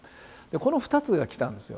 この２つが来たんですよ。